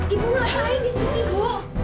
ibu ngapain disini ibu